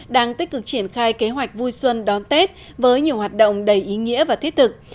đang tích cực triển khai kế hoạch vui xuân đón tết với nhiều hoạt động đầy ý nghĩa và thiết thực